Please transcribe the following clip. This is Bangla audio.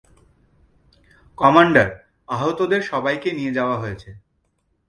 কমান্ডার, আহতদের সবাইকে নিয়ে যাওয়া হয়েছে।